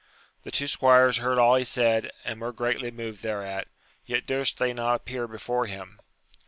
The two squires heard dl he said and weff 270 AMADIS OF GAUL, moved thereat, yet durst they not appear before him.